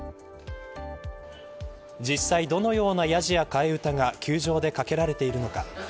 実際、どのようなやじや替え歌が球場で掛けられているのか。